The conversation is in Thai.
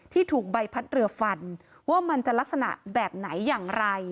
ถูกใบพัดเรือฟันว่ามันจะลักษณะแบบไหนอย่างไร